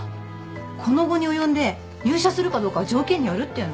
この期に及んで入社するかどうかは条件によるっていうの？